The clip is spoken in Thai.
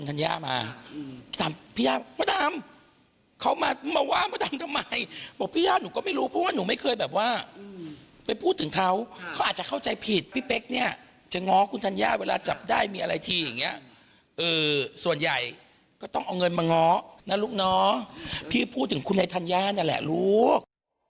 ถ้าจับได้มีอะไรที่อย่างเงี้ยส่วนใหญ่ก็ต้องเอาเงินมาง้อนะลูกน้อพี่พูดถึงคุณให้ธัญญาเนี่ยแหละลูก